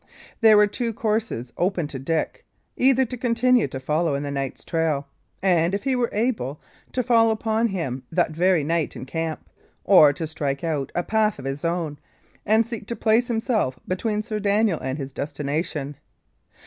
There were two courses open to Dick; either to continue to follow in the knight's trail, and, if he were able, to fall upon him that very night in camp, or to strike out a path of his own, and seek to place himself between Sir Daniel and his destination.